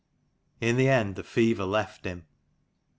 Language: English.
In the end, the fever left him.